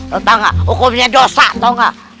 lu tau gak hukumnya dosa tau gak